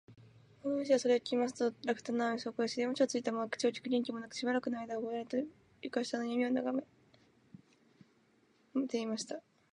大鳥氏はそれを聞きますと、落胆のあまり、そこへしりもちをついたまま、口をきく元気もなく、しばらくのあいだぼんやりと、床下のやみのなかをながめていました